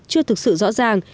chưa thực sự rõ ràng